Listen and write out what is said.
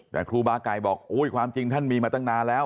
แต่ครูบาไก่บอกโอ้ยความจริงท่านมีมาตั้งนานแล้ว